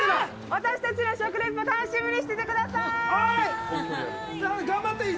私たちの食リポ楽しみにしててください。